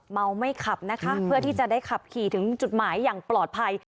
เมาไม่ขับนะคะเพื่อที่จะได้ขับขี่ถึงจุดหมายอย่างปลอดภัย